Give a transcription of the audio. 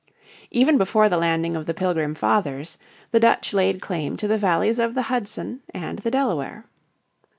Even before the landing of the Pilgrim Fathers the Dutch laid claim to the valleys of the Hudson and the Delaware.